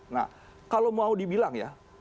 nah kalau mau dibilang ya